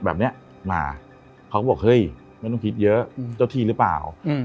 แบบนี้มาเขาก็บอกเฮ้ยไม่ต้องคิดเยอะเจ้าที่หรือเปล่า